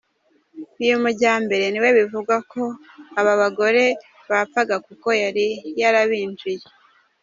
Uyu Majyambere niwe bivugwa ko aba bagore bapfaga kuko yari yarabinjiye.